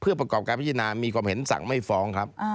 เพื่อประกอบการพิจารณามีความเห็นสั่งไม่ฟ้องครับ